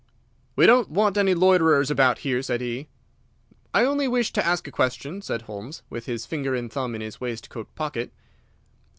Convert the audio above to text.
"We don't want any loiterers about here," said he. "I only wished to ask a question," said Holmes, with his finger and thumb in his waistcoat pocket.